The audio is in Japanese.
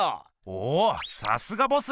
おおさすがボス。